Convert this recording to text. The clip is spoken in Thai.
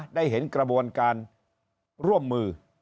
ได้เห็นกระบวนการร่วมมือ